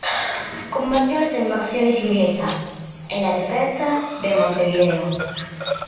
Combatió en las Invasiones Inglesas en la defensa de Montevideo.